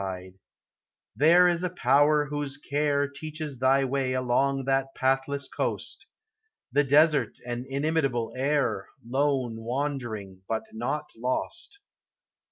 ANIMATE YATUREi 305 There is a Tower whose care Teaches thy way along that pathless coast, — The desert and illimitable air, — Lone wandering, but not lost.